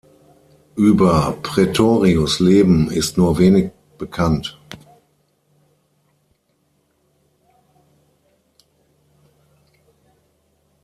Über Praetorius’ Leben ist nur wenig bekannt.